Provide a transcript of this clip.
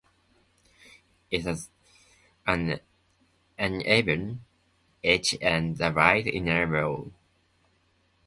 It has an uneven edge and a wide inner wall.